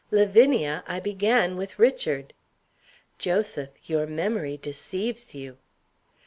"Lavinia! I began with Richard." "Joseph! your memory deceives you."